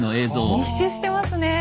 密集してますね。